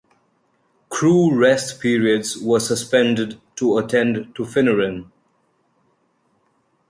Crew rest periods were suspended to attend to Finneran.